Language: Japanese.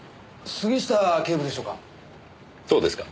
杉下警部でしょうか？